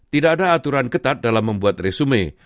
tidak ada aturan ketat dalam membuat resume